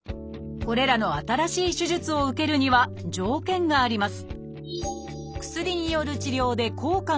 これらの新しい手術を受けるには条件があります